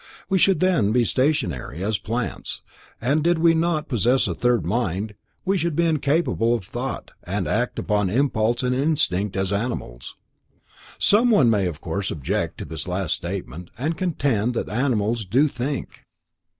We should then be stationary as plants, and did we not possess a mind, we should be incapable of thought, and act upon impulse and instinct as animals. Some one may of course object to this last statement, and contend that animals do think.